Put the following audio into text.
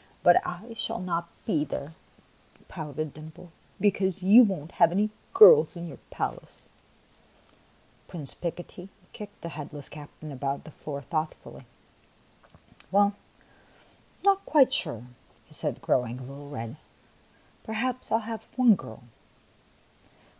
" But I shall not be there," pouted Dimples, "because you won't have any girls in your palace." Prince Picotee kicked the headless captain about the floor thoughtfully. " Well, I 'm not quite sure," he said, growing a little red. " Perhaps 1 11 have one girl."